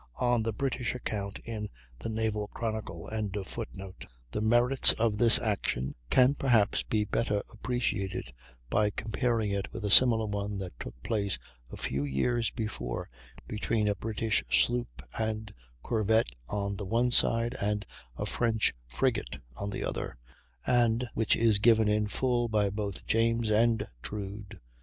on the British account in the "Naval Chronicle."] The merits of this action can perhaps be better appreciated by comparing it with a similar one that took place a few years before between a British sloop and corvette on the one side, and a French frigate on the other, and which is given in full by both James and Troude.